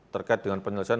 terkait dengan penyelesaian